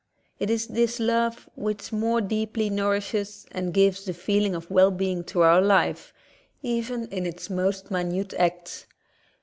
It is this love which more deeply nourishes and gives the feeling of well being to our life, even in its most minute acts.